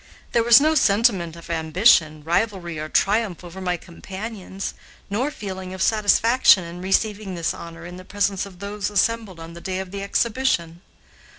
There was no sentiment of ambition, rivalry, or triumph over my companions, nor feeling of satisfaction in receiving this honor in the presence of those assembled on the day of the exhibition.